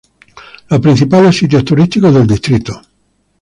Los principales sitios turísticos del distrito